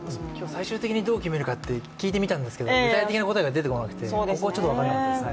最終的にどう決めるかって聞いたみたんですけけど、具体的な答えが出なくてここはちょっと分からなかったですね。